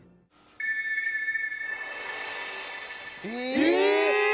えっ